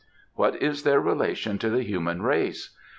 What is their relation to the human race?